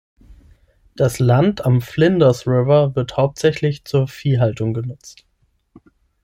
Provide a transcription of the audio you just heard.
Das Land am Flinders River wird hauptsächlich zur Viehhaltung genutzt.